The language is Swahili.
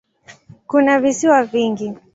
Kuna visiwa vingi.